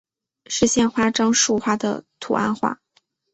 是县花樟树花的图案化。